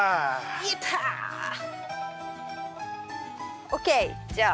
やった。ＯＫじゃあ。